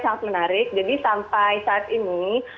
sangat menarik jadi sampai saat ini